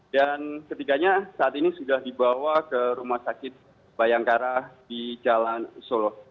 dan ketiganya saat ini sudah dibawa ke rumah sakit bayangkara di jalan solo